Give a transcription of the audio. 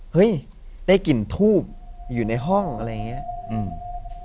เฮ้ยได้กลิ่นทูบอยู่ในห้องอะไรอย่างนี้